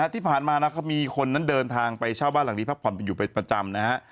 ที่ผ่านมานะครับมีคนนั้นเดินทางไปเช่าบ้านหลังนี้พักผ่อนอยู่เป็นประจำนะฮะ